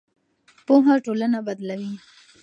پوهه ټولنه بدلوي.